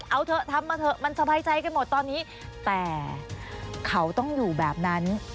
เอาเถอะทำมาเถอะมันสบายใจกันหมดตอนนี้แต่เขาต้องอยู่แบบนั้น